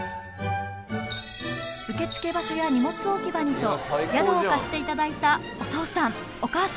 受付場所や荷物置き場にと宿を貸して頂いたおとうさんおかあさん